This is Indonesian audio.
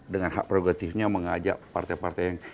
dengan hak prerogatifnya mengajak partai partai yang